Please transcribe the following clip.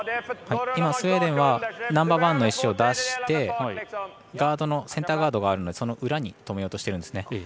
今、スウェーデンはナンバーワンの石を出してセンターガードがあるのでその裏に止めようとしてるんですね。